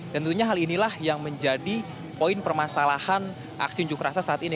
dan tentunya hal inilah yang menjadi poin permasalahan aksi unjuk rasa saat ini